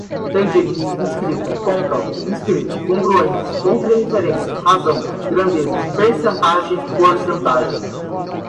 tangentes, inscrita, côncavo, inscrito, congruentes, ponto de referência, razão, grandezas, percentagem, porcentagem